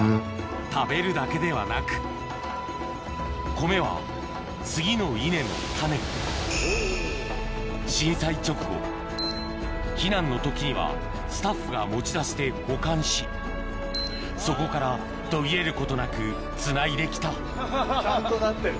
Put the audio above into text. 食べるだけではなく米は次の稲の種に震災直後避難の時にはスタッフが持ち出して保管しそこから途切れることなくつないで来たちゃんとなってる。